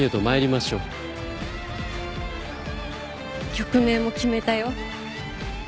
曲名も決めたよ。